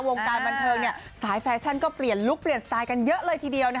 วงการบันเทิงสายแฟชั่นก็เปลี่ยนลุคเปลี่ยนสไตล์กันเยอะเลยทีเดียว